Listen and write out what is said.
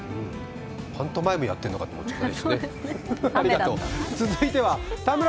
パントマイムやってるのかと思ったよ、ありがとう。